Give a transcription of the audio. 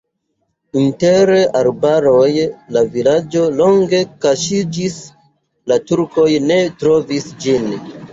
Inter arbaroj la vilaĝo longe kaŝiĝis, la turkoj ne trovis ĝin.